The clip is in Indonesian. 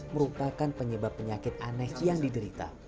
merupakan penyebab penyakit aneh yang diderita